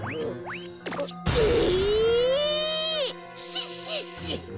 シッシッシもも